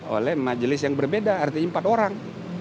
oleh majelis yang berbeda artinya empat orang